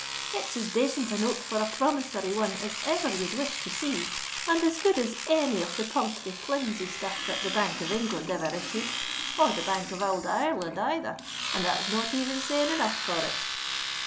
"It's as dacent a note for a promissory one as ever you'd wish to see, and as good as any of the palthry flimsy stuff that the Bank of England ever issued—or the Bank of Ould Ireland either: and that's not even saying enough for it."